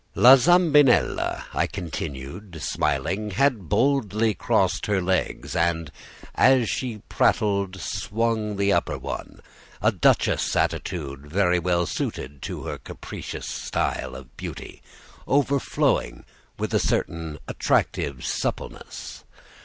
"La Zambinella," I continued, smiling, "had boldly crossed her legs, and as she prattled swung the upper one, a duchess' attitude very well suited to her capricious type of beauty, overflowing with a certain attractive suppleness.